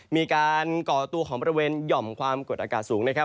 ก่อตัวของบริเวณหย่อมความกดอากาศสูงนะครับ